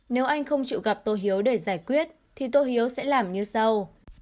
nếu anh không chịu gặp tô hiếu để giải quyết thì tô hiếu sẽ làm như sau